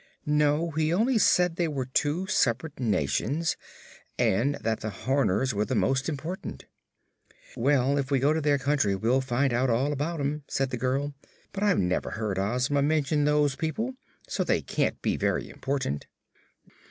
"No; he only said they were two separate nations, and that the Horners were the most important." "Well, if we go to their country we'll find out all about 'em," said the girl. "But I've never heard Ozma mention those people, so they can't be very important."